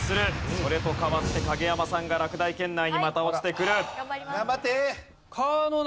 それと代わって影山さんが落第圏内にまた落ちてくる。